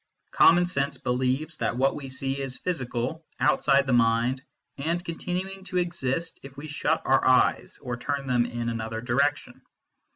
Common sense believes that what we see is physical, outside the mind, and continuing to exist if we shut our eyes or turn them in another direction.